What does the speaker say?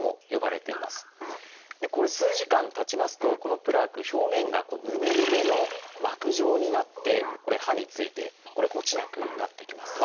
これ数時間たちますとこのプラーク表面がヌメヌメの膜状になって歯について落ちなくなっていきます。